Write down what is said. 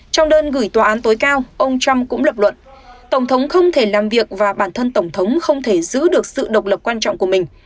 trong đơn gửi tòa án tối cao ông trump cũng lập luận tổng thống không thể làm việc và bản thân tổng thống không thể giữ được sự độc lập quan trọng của mình